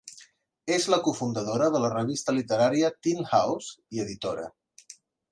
És la cofundadora de la revista literària "Tin House" i editora.